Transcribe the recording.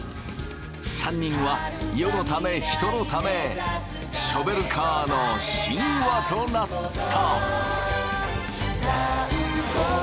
３人は世のため人のためショベルカーの神話となった。